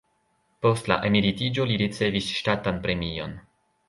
Post la emeritiĝo li ricevis ŝtatan premion.